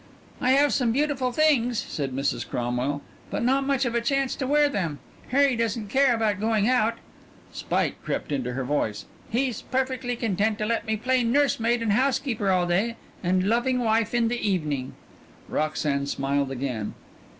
"I have some beautiful things," said Mrs. Cromwell, "but not much of a chance to wear them. Harry doesn't care about going out." Spite crept into her voice. "He's perfectly content to let me play nursemaid and housekeeper all day and loving wife in the evening." Roxanne smiled again.